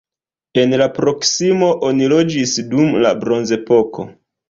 En la proksimo oni loĝis dum la bronzepoko.